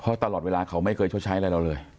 เพราะตลอดเวลาเขาไม่เคยชดใช้อะไรเราเลย